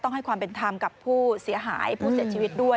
ให้ความเป็นธรรมกับผู้เสียหายผู้เสียชีวิตด้วย